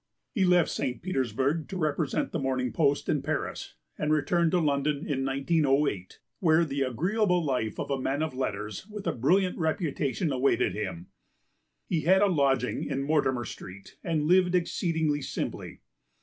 He left St. Petersburg to represent the Morning Post in Paris, and returned to London in 1908, where the agreeable life of a man of letters with a brilliant reputation awaited him. He had a lodging in Mortimer Street and lived exceedingly simply.